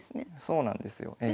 そうなんですよええ。